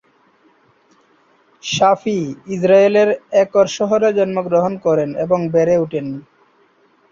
শাফি ইজরায়েলের একর শহরে জন্মগ্রহণ করেন এবং বেড়ে ওঠেন।